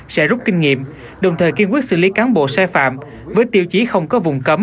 sẽ rút kinh nghiệm đồng thời kiên quyết xử lý cán bộ sai phạm với tiêu chí không có vùng cấm